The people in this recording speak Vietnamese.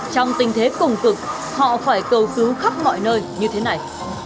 trong tình thế cùng cực họ phải cầu cứu khắp mọi nơi như thế này